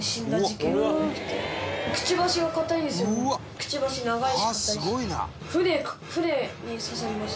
口ばし長いし硬いし。